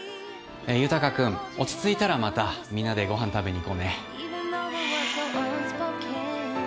豊君落ち着いたらまたみんなでごはん食べに行こうね。